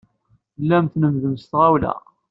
Tellam tlemmdem s tɣawla.